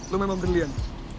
lu memang brilian